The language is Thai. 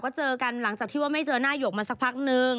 ก็เจอกันหลังจากที่ว่าไม่เจอหน้าหยกมาสักพักนึง